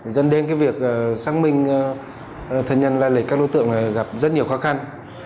dân đêm việc xác minh thân nhân lai lịch các đối tượng gặp rất nhiều khó khăn